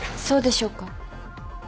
そうでしょうか。